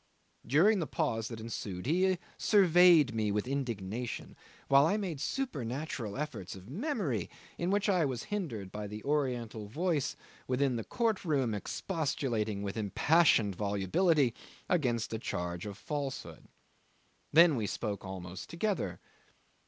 During the pause that ensued he surveyed me with indignation, while I made supernatural efforts of memory, in which I was hindered by the oriental voice within the court room expostulating with impassioned volubility against a charge of falsehood. Then we spoke almost together.